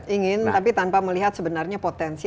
ingin tapi tanpa melihat sebenarnya potensi atau kapasitas